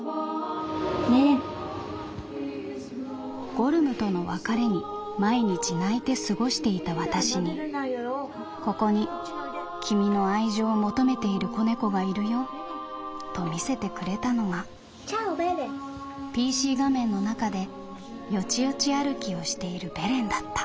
「ゴルムとの別れに毎日泣いて過ごしていたわたしに『ここに君の愛情を求めている仔猫がいるよ』と見せてくれたのがＰＣ画面の中でよちよち歩きをしているベレンだった」。